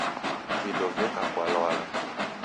Vindo veka kwa lwala